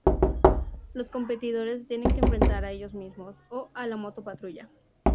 Los competidores se tienen que enfrentar a ellos mismos o a la moto patrulla.